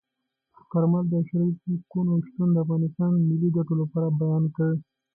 کارمل د شوروي ځواکونو شتون د افغانستان د ملي ګټو لپاره بیان کړ.